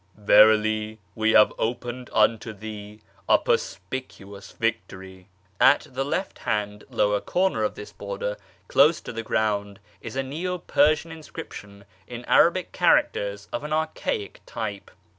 Verily we have opened unto thee a perspieuous victory ..." At the left hand lower corner of tliis border, close to the ground, is a Neo Persian inscription in Arabic characters of an archaic type.